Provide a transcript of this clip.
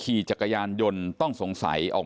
แล้วก็ช่วยกันนำนายธีรวรรษส่งโรงพยาบาล